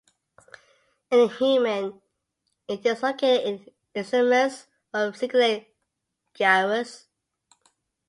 In the human it is located in the isthmus of cingulate gyrus.